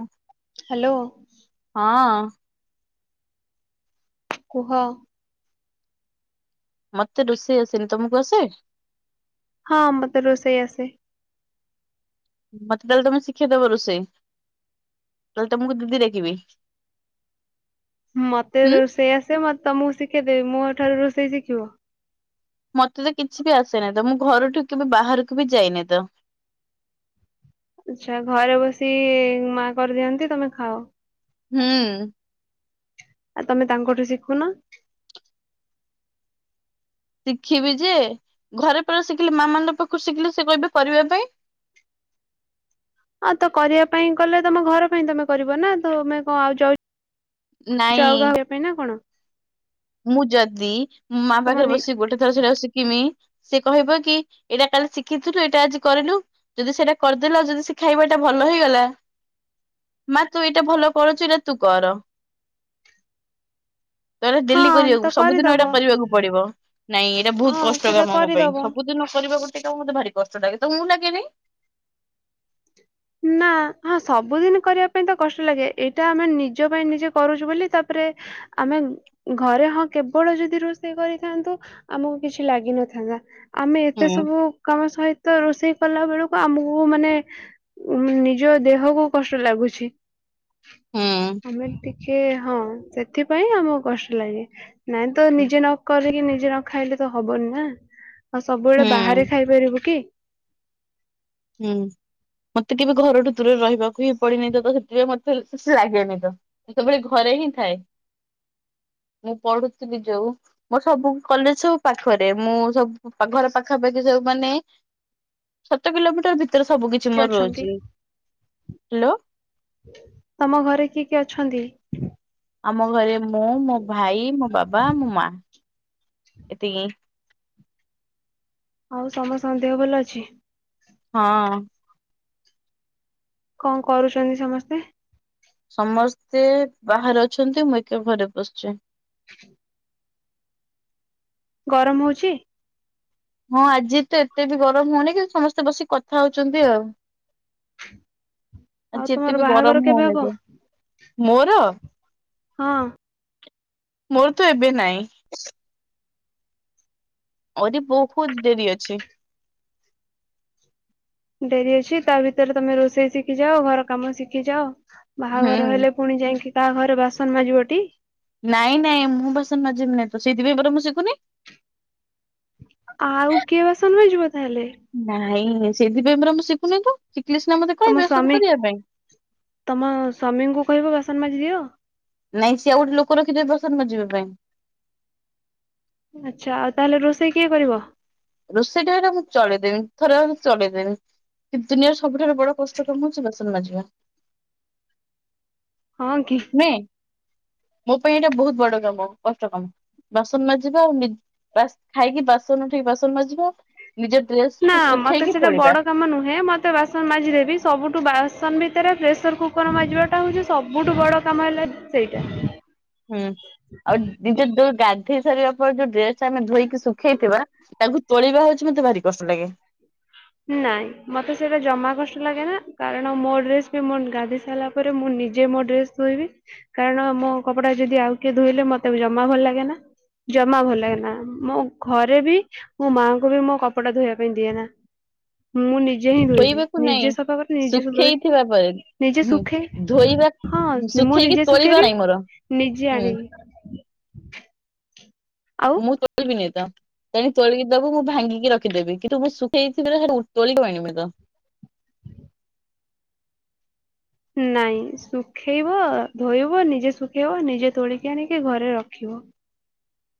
ହ [inaudible] ହାଲୋ। ହଁଅଁ। କୁହ? ମତେ ରୋଷେଇ ଆସେନି। ତମକୁ ଆସେ? ହଁ ମତେ ରୋଷେଇ ଆସେ। ମତେ ତାହେଲେ ତମେ ଶିକ୍ଷେଇ ଦବ ରୋଷେଇ। ନହେଲେ ତମକୁ ଦିଦି ଡାକିବି। ମତେ ହୁଁ। ରୋଷେଇ ଆସେ ମତେ ତମକୁ ଶିଖେଇଦେବି। ମୋ ଠାରୁ ରୋଷେଇ ଶିଖିବ? ମତେ ତ କିଛି ବି ଆସେନାହି ତ ମୁଁ ଘରଠୁ କେବେ ବାହାରକୁ ବି ଯାଇନି ତ। ଆଚ୍ଛା ଘରେ ବସି ମା କରିଦିଅନ୍ତି। ତମେ ଖାଅ? ହୁଁ ଆଉ ତମେ ତାଙ୍କଠୁ ଶିଖୁନ? ଶିଖିବି ଯେ ଘରେ ପରା ଶିଖିଲେ ମା ମାନଙ୍କ ପାଖରୁ ଶିଖିଲେ ସେ କହିବେ କରିବା ପାଇଁ। ହଁ ତ କରିବା ପାଇଁ କଲେ ତମ ଘର ପାଇଁ ତମେ କରିବ ନା ତମେ କଣ ଆଉ ଯାଉ ନାଇଁ ଚାଉବା ହେବେ ନା କଣ? ମୁଁ ଯଦି ମୋ ମା ତମ ପାଖରେ ନି ବସିିକି ଗୋଟେ ଥର ସେଇଟା ସିକିମି ସେ କହିବ କି ଏଇଟା କାଲି ଶିଖିଥିଲୁ ଏଇଟା ଆଜି କରିଲୁ। ଯଦି ସେଇଟା କରିଦେଲ ଯଦି ସେ ଖାଇବାଟା ଭଲ ହେଇଗଲା। ମା ତୁ ଏଇଟା ଭଲ କରୁଚୁରେ ତୁ କର। [inaudible] ତାର ଡେଲି ହଁ ତ କରିବାକୁ ସବୁଦିନ କରିଦବ ଏଇଟା କରିବାକୁ ପଡିବ। ନାଇଁ ଏଇଟା ହଁ ବହୁତ କଷ୍ଟ ସେଟା କାମ ମୋ ପାଇଁ। କରିଦବ। ସବୁଦିନ କରିବା ଗୋଟେ କାମ ମତେ ଭାରି କଷ୍ଟ ଲାଗେ। ତମକୁ ଲାଗେନି? ନା ହଁ ସବୁଦିନି କରିବା ପାଇଁ ତ କଷ୍ଟ ଲାଗେ। ଏଇଟା ଆମେ ନିଜ ପାଇଁ ନିଜେ କରୁଚୁ ବୋଲି ତାପରେ ଆମେ ଘରେ ହଁ କେବଳ ଯଦି ରୋଷେଇ କରିକିଖାଆନ୍ତୁ ଆମକୁ କିଛି ଲାଗିନଥାନ୍ତା। ଆମେ ଏତେ ହୁଁ ସବୁ କାମ ସହିତ ରୋଷେଇ କଲା ବେଳକୁ ଆମକୁ ମାନେ ଉଁ ନିଜ ଦେହକୁ କଷ୍ଟ ଲାଗୁଛି। ହୁଁ। ଆମେ ଟିକିଏ ହଁ ସେଥିପାଇଁ ଆମକୁ କଷ୍ଟ ଲାଗେ। ନାଇଁ ତ ନିଜେ ନ କରିକି ନିଜେ ନ ଖାଇଲେ ତ ହବନି ନା। ଆଉ ସବୁବେଳେ ବାହାରେ ହୁଁ ଖାଇପାରିବୁ କି? ହୁଁ ମତେ କେବେ ଘରଠୁ ଦୂରରେ ରହିବାକୁ ହିଁ ପଡିନାହିଁ ତ ସେଥିପାଇଁ ମତେ ସେ ଲାଗେନି ତ ସେତେବେଳେ ଘରେ ହିଁ ଥାଏ। ମୁଁ ପଢୁଥିଲି ଯୋଉ ମୋ ସବୁ କଲେଜ ସବୁ ପାଖରେ ମୁଁ ସବୁ ଘର ପାଖାପାଖି ସବୁ ମାନେ ସାତ କିଲୋମିଟର ଭିତରେ ସବୁ କିଛି କିଏ ମୋର ଅଛନ୍ତି ରହୁଛି। ହ୍ୟାଲୋ। [unintelligible] ତମ ଘରେ କିଏ କିଏ ଅଛନ୍ତି? ଆମ ଘରେ ମୁଁ, ମୋ ଭାଇ, ମୋ ବାବା, ମୋ ମା, ଏତିକି। ଆଉ ସମସ୍ତଙ୍କ ଦେହ ଭଲ ଅଛି? ହଁ। କଣ କରୁଛନ୍ତି ସମସ୍ତେ? ସମସ୍ତେ ବାହାରେ ଅଛନ୍ତି ମୁଁ ଏକା ଘରେ ବସିଛି। [inaudible] ଗରମ ହଉଛି? ହଁ ଆଜି ତ ଏତେ ବି ଗରମ ହଉନି କିନ୍ତୁ ସମସ୍ତେ ବସିକି କଥା ହଉଛନ୍ତି ଆଉ। [inaudible] ଆଜି ଏତେ ବି ବାହାଘର ଗରମ କେବେ ହଉନି ହବ? ତ, ମୋର ହଁ। ମୋର ତ ଏବେ ନାଇଁ। ଆହୁରି ବହୁତ ଡେରି ଅଛି। ଡେରି ଅଛି ତା ଭିତରେ ତମେ ରୋଷେଇ ଶିଖି ଯାଅ, ଘର କାମ ଶିଖି ଯାଅ, ହୁଁ। ବାହାଘର ହେଲେ ପୁଣି ଯାଇକି କାହା ଘରେ ବାସନ ମାଜିବଟି। ନାଇଁ ନାଇଁ ମୁଁ ବାସନମାଜିବିନି ତ ସେଇଥିପାଇଁ ପରା ମୁଁ ଶିଖୁନି। ଆଉ କିଏ ବାସନ ମାଜିବ ତାହେଲେ? ନାଇଁ ସେଇଥିପାଇଁ ପରା ମୁଁ ଶିଖୁନି ତ ଶିଖିଲେ ସିନା ମତେ ତମ କହିବେ ସବୁ ସ୍ଵାମୀ କରିବା ପାଇଁ। ତମ ସ୍ଵାମୀଙ୍କୁ କହିବ ବାସନ ମାଜି ଦିଅ। ନାଇଁ ସିଏ ଉଲୁ କରନ୍ତି ବାସନ ମାଜିବା ପାଇଁ। ଆଚ୍ଛା, ଆଉ ତାହେଲେ ରୋଷେଇ କିଏ କରିବ? ରୋଷେଇଟା ହେଇଟା ମୁଁ ଚଳେଇଦେମି ଥରେ ଅଧେ ଚଳେଇଦେମି। ଏ ଦୁନିଆର ସବୁଠାରୁ ବଡ଼ କଷ୍ଟ କାମ ହଉଛି ବାସନ ମାଜିବା। ହଁ କି? ନୁହେଁ, ମୋ ପାଇଁ ଏଇଟା ବହୁତ ବଡ କାମ କଷ୍ଟ କାମ। ବାସନ ମାଜିବା ନି ବାସ୍ ଖାଇକି ବାସନ ଉଠିକି ବାସନ ମାଜିବା। ନିଜ ଡ୍ରେସ ନା କୁ ମତେ ଶୁଖେଇକି ସେଟା ତୋଳିବା ବଡ କାମ ନୁହେଁ ମ ବାସନ ମାଜି ଦେବି ସବୁଠୁ ବାସନ ଭିତରେ ପ୍ରେସର କୁକର ମାଜିବାଟା ହଉଛି ସବୁଠୁ ବଡ଼ କାମ ହେଲା ସେଇଟା। ହୁଁ, ଆଉ ନିଜେ ଯୋ ଗାଧେଇ ସାରିବା ପରେ ଯୋଉ ଡ୍ରେସ ଟା ଆମେ ଧୋଇକି ଶୁଖେଇଥିବା, ତାଙ୍କୁ ତୋଳିବା ହଉଚି ମତେ ଭାରି କଷ୍ଟ ଲାଗେ। ନାଇଁ ମତେ ସେଇଟା ଜମା କଷ୍ଟ ଲାଗେ ନା କାରଣ ମୋ ଡ୍ରେସ୍ ବି ମୁଁ ଗାଧେଇ ସାରିଲା ପରେ ପରେ ମୁଁ ନିଜେ ମୋ ଡ୍ରେସ୍ ଧୋଇବି। କାରଣ ମୋ କପଡା ଯଦି ଆଉ କିଏ ଧୋଇଲେ ମତେ ବି ଜମାବି ଭଲ ଲାଗେ ନା। ଜମା ଭଲ ଲାଗେ ନା, ମୋ ଘରେ ବି ମୋ ମାଆଙ୍କୁ ବି ମୋ କପଡା ଧୋଇବା ପାଇଁ ଦିଏ ନା। ମୁଁ ନିଜେ ହିଁ ଧୋଇବାକୁ ଧେଇଦିଏ ନାଇଁ ନିଜେ ସଫା କରି ନିଜେ ସବୁ ବେଳେ ଶୁଖେଇଥିବା ପରେ ନିଜେ ହୁଁ ଶୁଖେ ଧୋଇବା ହଁ ମୁଁ ଶୁଖେଇକି ନିଜେ ତୋଳିବା ନାଇଁ ମୋର ଶୁଖେଇଦେବି ନିଜେ ହୁଁ ଆଣିବି। ଆଉ ମୁଁ [unintelligible] ନେହି ତ। ତେଣିକି ତୋଳି କି ଦବୁ ମୁଁ ଭାଙ୍ଗିକି ରଖିଦେବି, କିନ୍ତୁ ମୁଁ ଶୁଖେଇଥିବି [unintelligible] ତୋଳିକି ଆଣିବୁନି ତ। ନାଇଁ ଶୁଖେଇବ ଧୋଇବ ନିଜେ ଶୁଖେଇବ ନିଜେ ତୋଳିକି ଆଣକି ଘରେ ରଖିବ।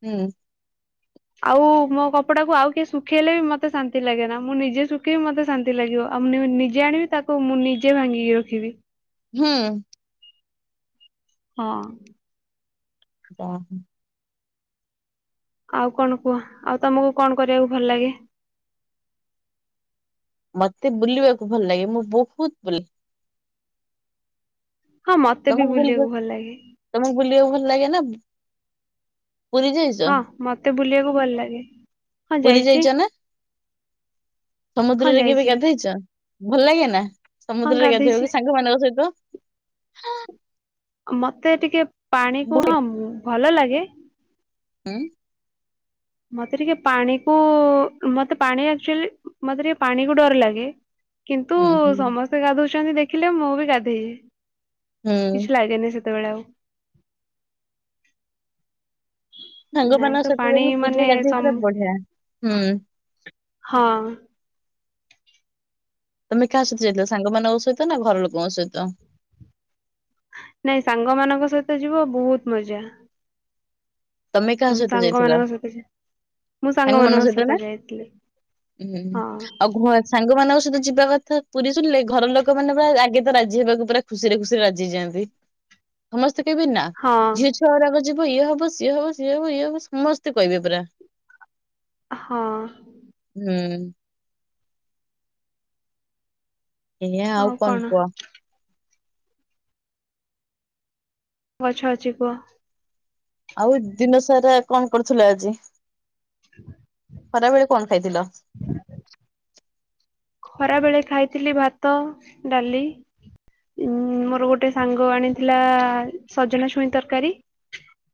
ହୁଁ। ଆଉ ମୋ କପଡା କୁ ଆଉ କିଏ ଶୁଖେଇଲେ ବି ମତେ ଶାନ୍ତି ଲାଗେ ନା ମୁଁ ନିଜେ ଶୁଖେଇବ୍ ମତେ ଶାନ୍ତ ଶାନ୍ତିଲାଗିବ ଆଉ ମୁଁ ନ ନିଜେ ଆଣିବି ତାକୁ ମୁଁ ନିଜେ ଭାଙ୍ଗିକି ରଖିବି। ହୁଁ। ହଁ। ଯା ହ। ଆଉ କଣ କୁହ ଆଉ ତମକୁ କଣ କରିବାକୁ ଭଲ ଲାଗେ? ମତେ ବୁଲିବାକୁ ଭଲ ଲାଗେ ମୁଁ ବହୁତ୍ ବୁଲେ। ହଁ ମତେ ବି ତମକୁ ବୁଲିବା ବୁଲିବାକୁ ଭଲ ଲାଗେ। ତମକୁ ବୁଲିବାକୁ ଭଲ ଲାଗେ ନା? ବ୍-ପୁରୀ ଯାଇଚ? ହଁ ମତେ ବୁଲିବାକୁ ଭଲ ଲାଗେ। ହଁ [unintelligible] ଯାଇଛି ଯାଇଚ ନା? ହଁ ସମୁଦ୍ରରେ କେବେ ଯାଇଛି ଗାଧେଇଚ ଭଲ ଲାଗେ ନା ହଁ ସମୁଦ୍ରରେ ଗାଧେଇଛି ଗାଧେଇବା କୁ ସାଙ୍ଗମାନଙ୍କ ସହିତ? ମତେ ଟିକେ ପାଣି ହୁଁ କୁ-ହଁ ଭଲ ଲାଗେ। ଉଁ? ମତେ ଟିକେ ପାଣିକୁ- ମତେ ପାଣି ଆକ୍ଚୁଲି ମତେ ଟିକେ ପାଣିକୁ ଡର ଲାଗେ। କିନ୍ତୁ ହୁଁ ସମସ୍ତେ ଗାଧୁଛନ୍ତି ଦେଖିଲେ ମୁଁ ବି ଗାଧେଇବି। ହୁଁ କିଛି ଲାଗେନି ସେତେବେଳେ ଆଉ। ନାଇଁ ସାଙ୍ଗମାନଙ୍କ ତ ସହିତ ପାଣି ଯାଇକି ପୁରୀ ମାନେ ରେ ଗାଧେଇବୁ ସମ୍ ପୁରା ବଢିଆ ହୁଁ। ହଁ। ତମେ କାହା ସହିତ ଯାଇଥିଲ ସାଙ୍ଗମାନଙ୍କ ସହିତ ନା ଘର ଲୋକଙ୍କ ସହିତ? ନାଇଁ ସାଙ୍ଗମାନଙ୍କ ସହିତ ଯିବ ବହୁତ୍ ମଜା। ତମେ କାହା ସହିତ ସାଙ୍ଗ ଯାଇଥିଲ? ମାନଙ୍କ ଯିବି। ମୁଁ ସାଙ୍ଗମାନଙ୍କ ସହିତ ଯାଇଥିଲି ହୁଁ ହଁ। ଆଉ ଘ ସାଙ୍ଗମାନଙ୍କ ସହିତ ଯିବା କଥା ପୁରୀ ଶୁଲ୍ ଲେ ଘର ଲୋକ ମାନେ ପୁରା ଆଗେ ତ ରାଜି ହେବାକୁ ପୁରା ଖୁସିରେ ଖୁସିରେ ରାଜି ହେଇ ଯାଆନ୍ତି ସମସ୍ତେ କହିବେ ନା ହଁ ଝିଅ ଛୁଆ ଗୁରା କ ଯିବ ଇଏ ହବ ସିଏ ହବ ସିଏ ହବ ଇଏ ହବ ସମସ୍ତେ କହିବେ ପୁରା। ହଁ। ହୁଁ। ଏଇୟା ଆଉ କନ୍ କୁହ? ଗଛ ଅଛି କୁହ। ଆଉ ଦିନ ସାରା କଣ କରୁଥିଲ ଆଜି ଖରାବେଳେ କଣ ଖାଇଥିଲ? ଖରା ବେଳେ ଖାଇଥିଲି ଭାତ ଡାଲି ଉଁ ମୋର ଗୋଟେ ସାଙ୍ଗ ଆଣିଥିଲା ସଜନା ଛୁଇଁ ତରକାରୀ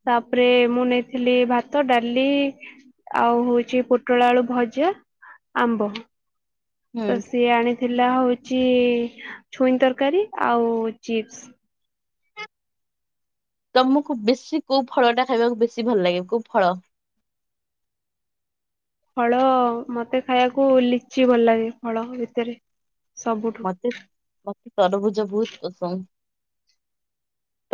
ତାପରେ ମୁଁ ନେଇଥିଲି ଭାତ ଡାଲି ଆଉ ହଉଚି ପୋଟଳ ଆଳୁ ଭଜା ଆମ୍ବ। ହୁଁ ତ ସିଏ ଆଣିଥିଲା ହଉଚି ଛୁଇଁ ତରକାରୀ ଆଉ ଚିପ୍ସ। ତମକୁ ବେଶୀ କୋଉ ଫଳ ଟା ଖାଇବାକୁ ବେଶୀ ଭଲ ଲାଗେ କୋଉ ଫଳ? ଫଳ ମତେ ଖାଇବାକୁ ଲିଚି ଭଲ୍ ଲାଗେ ଫଳ ଭିତରେ। ସବୁଠୁ। ମତେ ମତେ ତରୁଭୁଜ ବହୁତ୍ ପସନ୍ଦ୍।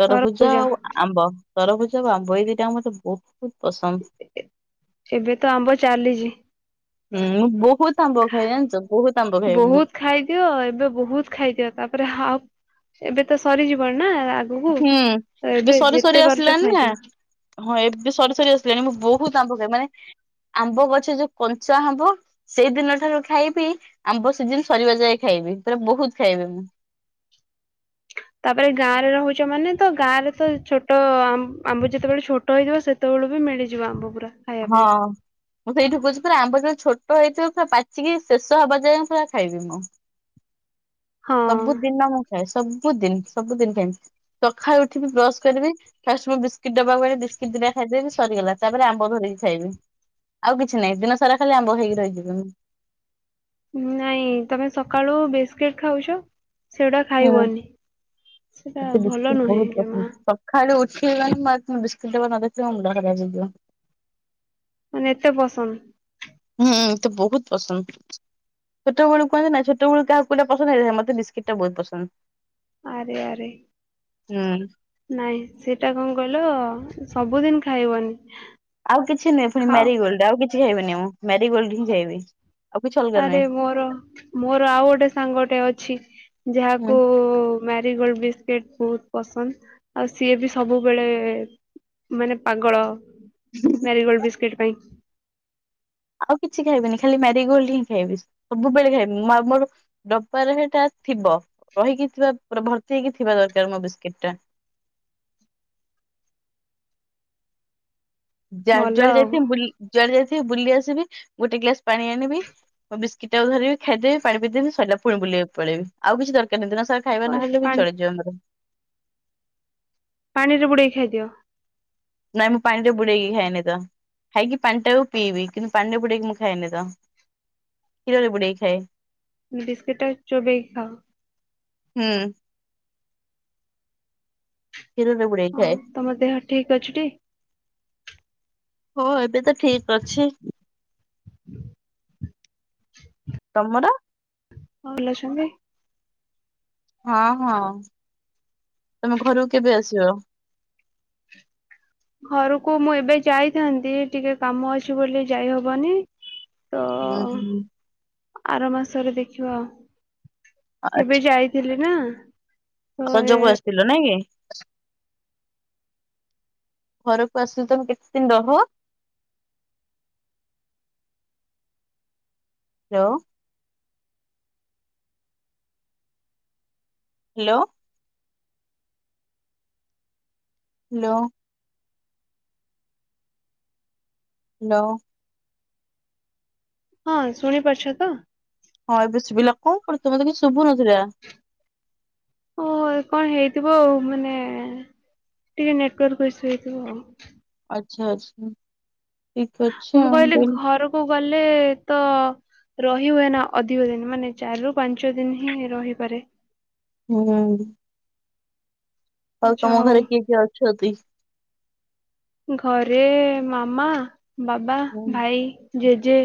ତରଭୁଜ ଆଉ ଆମ୍ବ ତରଭୁଜ ଆଉ ଆମ୍ବ ଏଇ ଦିଟା ମତେ ବହୁତ୍ ପସନ୍ଦ୍। ଏବେ ତ ଆମ୍ବ ଚାଲିଚି। ହୁଁ ମୁଁ ବହୁତ୍ ଆମ୍ବ ଖାଏ ଜାନ୍ଚ ବହୁତ୍ ଆମ୍ବ ଖାଏ ମୁଁ। ଦିଅ ଏବେ ବହୁତ୍ ଖାଇଦିଅ ତାପରେ ହାପ୍ ଏବେ ତ ସରିଯିବନି ନା। ବହୁ ହୁଁ। ତ ଏବେ ସରି ସରି ଯେତେ ପାରୁଛ ଆସିଲାଣି ନା ଖାଇଦିଅ। ହଁ ଏବେ ସରି ସରି ଆସିଲାଣି ମୁଁ ବହୁତ ଆମ୍ଭ କରେ ମାନେ। ଆମ୍ବ ଗଛ ଯୋଉ କଞ୍ଚା ହବ। ସେଇଦିନ ଠାରୁ ଖାଇବି ଆମ୍ବ ସିଜିିନ ସରିବା ଯାଏ ଖାଇବି ପୁରା ବହୁତୁ ଖାଇବି ମୁଁ। ତାପରେ ଗାଁ ରେ ରହୁଛ ମାନେ ତ ଗାଁ ରେ ତ ଛୋଟ ଆମ୍ବୁ ଯେତେବେଳେ ଛୋଟ ହେଇଥିବ ସେ ସେତେବେଳୁ ବି ମିଳିଯିବ ଆମ୍ବ ପୁରା। ଖାଇବା ପାଇଁ। ହଁ। ମୁଁ ସେଇଠି କହୁଛି ପୁରା ଆମ୍ବ ଯେବେ ଛୋଟ ହେଇଥିବ ପୁରା ପାଚିକି ଶେଷ ହବା ଯାଏ ପୁରା ଖାଇବି ମୁଁ। [unintelligible] ହଁ ସବୁଦିନ ମୁଁ ଖାଏ ସବୁଦିନ ସବୁଦିନ ଖାଇମି। ସକାଳୁ ଉଠିବି ବ୍ରସ କରିବି ଫାଷ୍ଟ ମୁଁ ବିସ୍କିଟ୍ ଡ଼ବାକୁ ବିସ୍କିଟ ଦି ଟା ଖାଇଦେବି ସରିଗଲା ତାପରେ ଆମ୍ବ ଧରିକି ଖାଇବି ଆଉ କିଛି ନାହିଁ ଦିନ ସାରା ଖାଲି ଆମ୍ବ ହେଇକି ରହିଯିବି ମୁଁ। ନାଇଁ ତମେ ସକାଳୁ ବିସ୍କିଟ ଖାଉଛ। ସେଇଟା ହୁଁ। ଖାଇବନି ସେଟା ଭଲ ନୁହେଁ ଜମା। ଖାଲି ଉଠିଲି ମାନେ ବିସ୍କୁିଟ୍ ଡାବା ନ ଦେଖିଲେ ମୋ ମୁଣ୍ଡ ଖରାପ ହେଇଯିବ। ମାନେ ଏତେ ପସନ୍ଦ। ହୁଁ ମୋତେ ବହୁତୁ ପସନ୍ଦ। ଛୋଟବଳୁ କୁହାଯାଏ ନାଁ ଛୋଟବଳୁ କାହାକୁ କୋଉଟା ପସନ୍ଦ ହେଲେ ମତେ ବିସ୍କିଟ ଟା ବହୁତୁ ପସନ୍ଦ। ଆରେ ଆରେ। ହୁଁ। ନାଇଁ ସେଟା କଣ କହିଲ ସବୁଦିନ ଖାଇବନି। ଆଉ କିଛି ନୁହେଁ ପୁଣି ଖାଅ ମ୍ୟାରିଗୋଲ୍ଡ ଆଉ କିଛି ଖାଇବିନି ମୁଁ ମ୍ୟାରିଗୋଲ୍ଡ ହିଁ ଖାଇବି। ଆଉ କିଛି ଅଲଗା ଆରେ ନୁହେଁ ମୋର ମୋର ଆଉ ଗୋଟେ ସାଙ୍ଗଟେ ଅଛି ହୁଁ। ଯାହାକୁ ମ୍ୟାରିଗୋଲଡ ବିସ୍କୁଟ ବହୁତୁ ପସନ୍ଦ ଆଉ ସିଏ ବି ସବୁବେଳେ। ମାନେ ପାଗଳ ମ୍ୟାରିଗୋଲଡ ବିସ୍କୁିଟ ପାଇଁ। ଆଉ କିଛି ଖାଇବିନି ଖାଲି ମ୍ୟାରିଗୋଲ୍ଡ ହିଁ ଖାଇବି ସବୁବେଳେ ଖାଇବି ମୋର। ଡ଼ବାରେ ସେଟା ଥିବ ରହିକି ଥିବା ପୁରା ଭର୍ତ୍ତି ହେଇକି ଥିବା ଦରକାର ମୋ ବିସ୍କିଟଟା। ଭଲ ଜୁଆଡ଼େ ଆଉ ଯାଇଥିବି ଜୁଆଡ଼େ ଯାଇଥିବି ବୁଲି ଆସିବି ଗୋଟେ ଗ୍ଲାସ ପାଣି ଆଣିବି। ମୁ ବିସ୍କୁଟାକୁ ଧରିବୀ ଖାଇଦେବି ପାଣି ପିଦେବି ସରିଲା ପୁଣି ବୁଲିବାକୁ ପଳେଇବି ଆଉ କିଛି ଦରକାର ନାହିଁ ଦିନସାରା। ଖାଇବା ନହେଲେ ବି ପାଣି ଚଳିଯିବ ମୋର। ପାଣିରେ ବୁଡେଇ ଖାଇଦିଅ। ନାଇଁ ମୁଁ ପାଣିରେ ବୁଡେଇକି ଖାଏନି ତ। ଖାଇକି ପାଣିଟାକୁ ପିଇବି କିନ୍ତୁ ପାଣିରେ ବୁଡେଇକି ମୁଁ ଖାଏନି ତ। କ୍ଷୀରରେ ବୁଡ଼େଇ ଖାଏ। ବିସ୍କୁଟଟା ଚ଼ୋବେଇକି ଖାଅ। ହୁଁ। କ୍ଷୀରରେ ବୁଡେଇ ହଁ ଖାଏ ତମ ଦେହ ଠିକ ଅଛି ଟି। ହଁ ଏବେ ତ ଠିକ ଅଛି। [inaudible] ତମର। ଆଉ ଭଲ ଅଛନ୍ତି। ହଁ ହଁ ତମେ ଘରକୁ କେବେ ଆସିବ। ଘରକୁ ମୁଁ ଏବେ ଯାଇଥାନ୍ତି ଟିକେ କାମଅଛି ବୋଲି ଯାଇହବନି। ତ ହୁଁ ହୁଁ। ଆର ମାସରେ ଦେଖିବା ଏବେ ଯାଇଥିଲି ନାଁ ରଜ କୁ ଆସିଥିଲ ନାଇଁ କି। ଘରକୁ ଆସିଲେ ତମେ କେତେଦିନ ରହ? ହାଲୋ। ହାଲ୍ଲୋ। ହାଲୋ। ହ୍ୟାଲୋ। ହଁ, ଶୁଣି ପାରୁଛତ ହଁ ଏବେ ଶୁଭିଲା କଣ କରୁଛ ମତେ କିଛି ଶୁଭୁନଥିଲା। ଓ, ହୋ କଣ ହେଇଥିବ ଆଉ ମାନେ ଟିକେ ନେଟୱର୍କ ଇସୁ ହେଇଥିବ ଆଉ। ଆଚ୍ଛା ଆଚ୍ଛା। ଠିକ ଅଛି ମୁଁ ଆଉ କହିଲି ଘରକୁ ଗଲେତ ରହି ହୁଏନା ଅଧିକ ଦିନ ମାନେ ଚାରି ରୁ ପାଞ୍ଚ ଦିନ ହିଁ ରହିପାରେ। ହୁଁ। ଆଉ ଆଚ୍ଛା ହଉ ତମଘରେ କିଏ କିଏ ଅଛନ୍ତି? ଘରେ ମାମା, ବାବା, ଭାଇ, ଜେଜେ।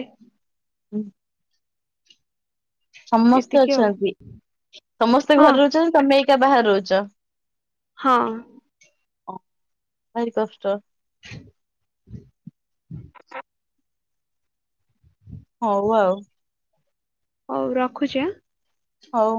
ହୁଁ। ସମସ୍ତେ ଏତିକି ଆଉ ଅଛନ୍ତି ସମସ୍ତେ ହଁ ଘରେ ରହୁଛନ୍ତି ତମେ ଏକା ବାହାରେ ରହୁଛ? ହଁ। ହ, ଭାର କଷ୍ଟ। [unintelligible] ହଉ ଆଉ। ହଉ ରଖୁଛି ଆଁ ହଉ।